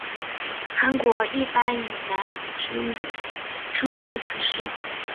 韩国一般以南怡之狱称呼此事。